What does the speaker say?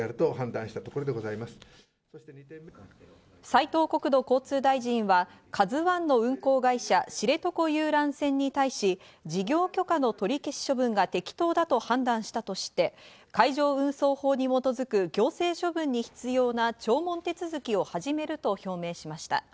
斉藤国土交通大臣は「ＫＡＺＵ１」の運航会社、知床遊覧船に対し事業許可の取り消し処分が適当だと判断したとして、海上運送法に基づく行政処分に必要な聴聞手続きを始めると表明しました。